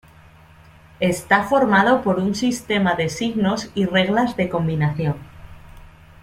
Está formado por un sistema de signos y reglas de combinación.